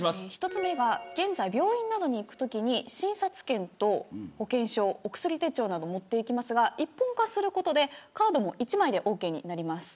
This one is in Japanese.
１つ目が現在病院などに行くときに診察券と保険証、お薬手帳などを持っていきますが一本化することでカードも１枚でオーケーになります。